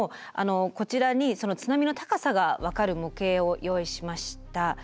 こちらに津波の高さがわかる模型を用意しました。